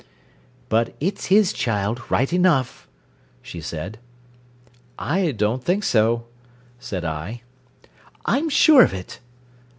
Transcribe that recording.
"But it's his child right enough," she said. "I don't think so," said I. "I'm sure of it."